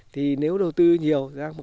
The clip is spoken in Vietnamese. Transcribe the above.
thì nếu đầu tư nhiều